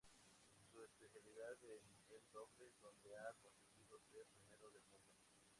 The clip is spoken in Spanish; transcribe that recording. Su especialidad es el dobles, donde ha conseguido ser primero del mundo.